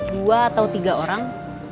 dua atau tiga orang